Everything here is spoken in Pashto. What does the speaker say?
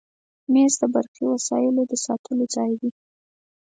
مېز د برقي وسایلو ساتلو ځای دی.